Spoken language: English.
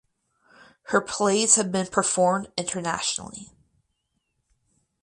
Her plays have been performed internationally.